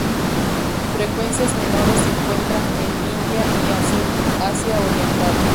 Frecuencias menores se encuentran en India y Asia oriental.